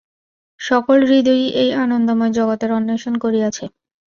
সকল হৃদয়ই এই আনন্দময় জগতের অন্বেষণ করিয়াছে।